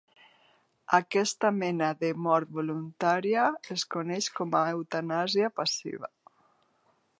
Aquesta mena de mort voluntària es coneix com a eutanàsia passiva.